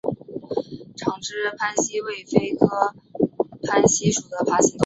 长肢攀蜥为飞蜥科攀蜥属的爬行动物。